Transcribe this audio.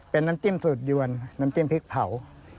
เป็นน้ำจิ้มสูตรยวนน้ำจิ้มพริกเผา